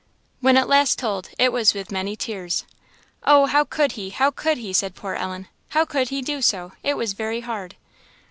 When at last told, it was with many tears. "Oh, how could he! how could he!" said poor Ellen "how could he do so! it was very hard!"